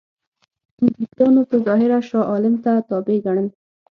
انګلیسانو په ظاهره شاه عالم ته تابع ګڼل.